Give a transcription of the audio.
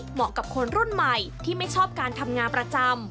เหมาะกับคนรุ่นใหม่ที่ไม่ชอบการทำงานประจำ